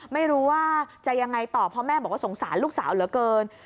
ไม่รู้ว่าจะยังไงต่อเพราะแม่บอกว่าสงสารลูกสาวเหลือเกิน